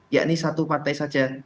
yakni satu partai saja